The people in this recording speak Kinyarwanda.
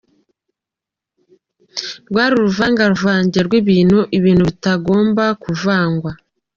Rwari uruvangavange rw’ ibintu, ibintu bitagomba kuvangwa.